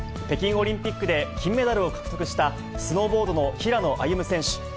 北京オリンピックで金メダルを獲得したスノーボードの平野歩夢選手。